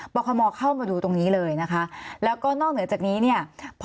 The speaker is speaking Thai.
คมเข้ามาดูตรงนี้เลยนะคะแล้วก็นอกเหนือจากนี้เนี่ย